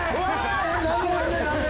何で？